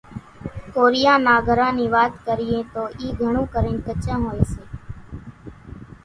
ڪوريان نان گھران نِي وات ڪريئين تو اِي گھڻون ڪرينَ ڪچان هوئيَ سي۔